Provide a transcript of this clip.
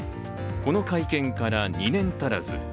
この会見から２年足らず。